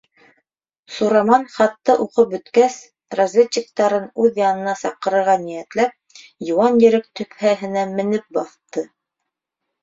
Сураман хатты уҡып бөткәс, разведчиктарын үҙ янына саҡырырға ниәтләп, йыуан ерек төпһәһенә менеп баҫты.